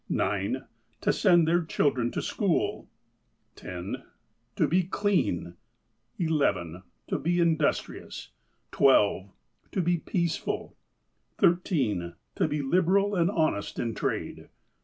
(9) To send their children to school. (10) To be clean. (11) To be industrious. (12) To be peaceful. (13) To be liberal and honest in trade.